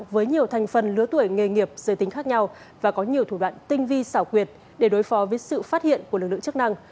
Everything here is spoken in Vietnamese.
với nhiều thành phần lứa tuổi nghề nghiệp giới tính khác nhau và có nhiều thủ đoạn tinh vi xảo quyệt để đối phó với sự phát hiện của lực lượng chức năng